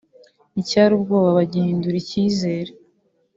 icyari ubwoba bagihindura icyizere